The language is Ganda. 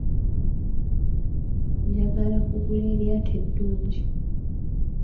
Njagala kugula eryato eddungi.